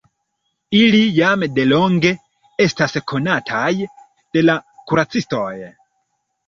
Ili jam delonge estas konataj de la kuracistoj.